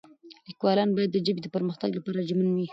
لیکوالان باید د ژبې د پرمختګ لپاره ژمن وي.